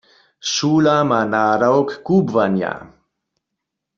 Šula ma nadawk kubłanja.